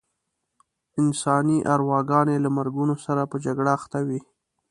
انساني ارواګانې له مرګونو سره په جګړه اخته وې.